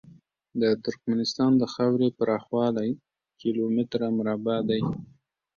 د ترکمنستان د خاورې پراخوالی کیلو متره مربع دی.